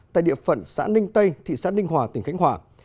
tại địa phận xã ninh tây thị xã ninh hòa tỉnh khánh hòa